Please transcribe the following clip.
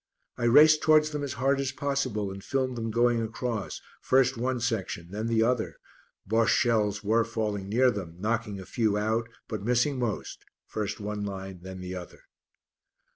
I raced towards them as hard as possible and filmed them going across first one section then the other; Bosche shells were falling near them, knocking a few out but missing most, first one line then the other.